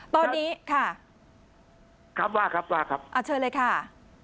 ตอนนี้ค่ะครับว่าครับว่าครับอ่าเชิญเลยค่ะ